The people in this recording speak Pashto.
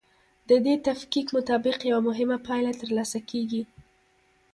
د دې تفکیک مطابق یوه مهمه پایله ترلاسه کیږي.